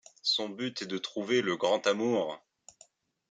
Son but est de trouver le grand amour.